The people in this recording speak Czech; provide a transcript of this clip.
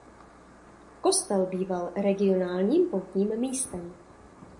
Kostel býval regionálním poutním místem.